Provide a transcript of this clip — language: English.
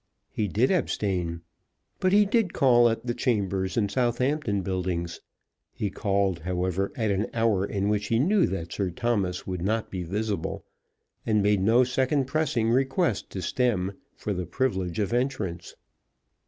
He did abstain. But he did call at the chambers in Southampton Buildings; he called, however, at an hour in which he knew that Sir Thomas would not be visible, and made no second pressing request to Stemm for the privilege of entrance.